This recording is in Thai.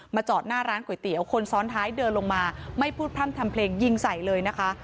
จอดหน้าร้านก๋วยเตี๋ยวคนซ้อนท้ายเดินลงมาไม่พูดพร่ำทำเพลงยิงใส่เลยนะคะ